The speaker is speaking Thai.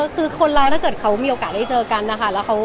คือคนอื่นถ้าเกิดมีโอกาสเข้าได้เจอกันนะคะ